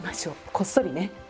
こっそりね。